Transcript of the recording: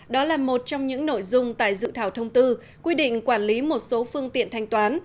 đó là một trong những nội dung tại dự thảo thông tư quy định quản lý một số phương tiện thanh toán